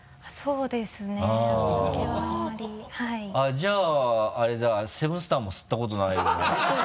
じゃああれだセブンスターも吸ったことないよね？